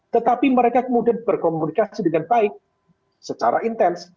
tetapi mereka kemudian berkomunikasi dengan baik secara intens